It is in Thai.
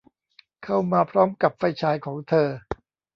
เข้ามาพร้อมกับไฟฉายของเธอ